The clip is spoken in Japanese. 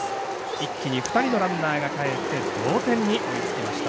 一気に２人のランナーがかえって同点に追いつきました。